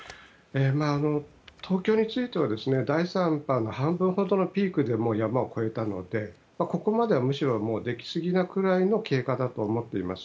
東京については第３波の半分ほどのピークで山を越えたので、ここまではむしろ出来過ぎなぐらいの経過だと思っています。